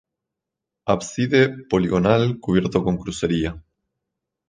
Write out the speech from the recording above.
Ábside poligonal cubierto con crucería.